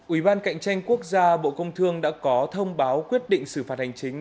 ủy ban cạnh tranh quốc gia bộ công thương đã có thông báo quyết định xử phạt hành chính